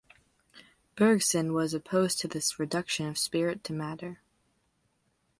Bergson was opposed to this reduction of spirit to matter.